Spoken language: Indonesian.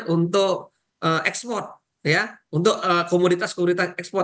untuk ekspor untuk komoditas komoditas ekspor